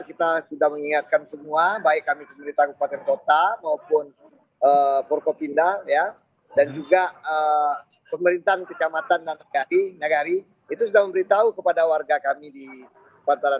kita sudah mengingatkan semua baik kami sendiri tanggung pasir kota maupun purkopinda dan juga pemerintahan kecamatan dan negari itu sudah memberitahu kepada warga kami di pasaran